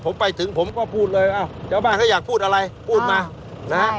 ผมไปถึงผมก็พูดเลยอ้าวชาวบ้านเขาอยากพูดอะไรพูดมานะฮะ